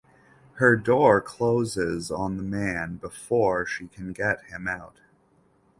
Her door closes on the Man before she can get him out.